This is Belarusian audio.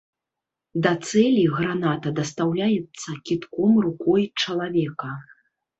Да цэлі граната дастаўляецца кідком рукой чалавека.